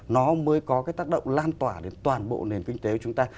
nó mới có cái tác động lan tỏa đến toàn bộ nền kinh tế của chúng ta